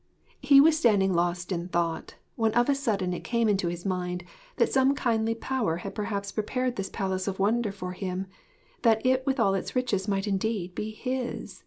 ] He was standing lost in thought, when of a sudden it came into his mind that some kindly power had perhaps prepared this palace of wonder for him, that it with all its riches might indeed be his.